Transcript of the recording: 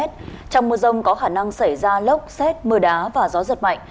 trong mưa rông có khả năng xảy ra lốc xét mưa đá và gió giật mạnh